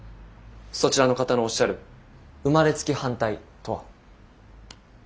そちらの方のおっしゃる生まれつき反対とは。